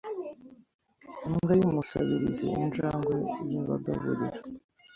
Imbwa yUmusabiriziInjangwe Yabagaburira